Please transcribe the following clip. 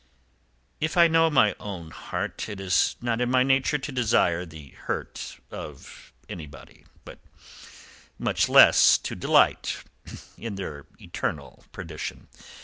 "If I know my own heart it is not in my nature to desire the hurt of anybody, much less to delight in his eternal perdition.